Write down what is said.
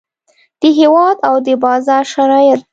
د هیواد او د بازار شرایط.